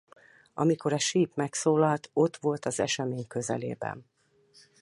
Amikor a síp megszólalt ott volt az esemény közelében.